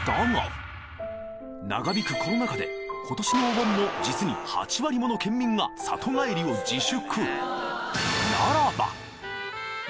長引くコロナ禍で今年のお盆も実に８割もの県民が里帰りを自粛！